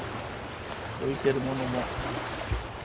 浮いてるものも。